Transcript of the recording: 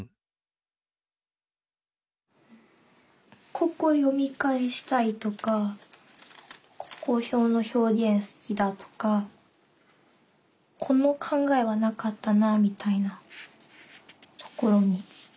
ここ読み返したいとかここの表現好きだとかこの考えはなかったなみたいなところに。